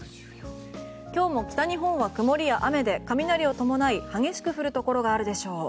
今日も北日本は曇りや雨で雷を伴い激しく降るところがあるでしょう。